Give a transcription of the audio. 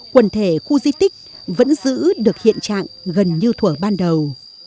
quần thể khu di tích vẫn giữ được hiện trạng gần như thủa ban đầu